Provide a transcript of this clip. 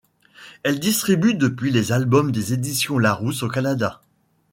Elle distribue depuis les albums des éditions Larousse au Canada.